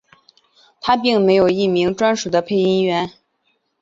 它并没有一名专属的配音员。